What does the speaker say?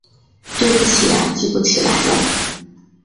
对不起啊记不起来了